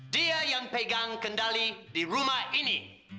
dia yang pegang kendali di rumah ini